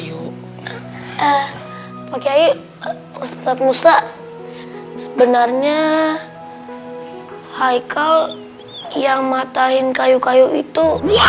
ayo pakai ustadz musa sebenarnya hai hai kau yang matahin kayu kayu itu